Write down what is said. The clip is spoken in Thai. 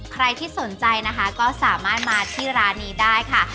ใครที่สนใจนะคะก็สามารถมาที่ร้านนี้ได้ค่ะ